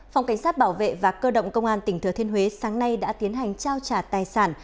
phòng cảnh sát bảo vệ và cơ động công an tỉnh thừa thiên huế sáng nay đã tiến hành trao trả tài sản